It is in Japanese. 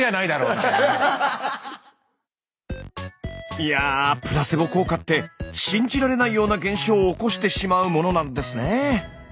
いやプラセボ効果って信じられないような現象を起こしてしまうものなんですね。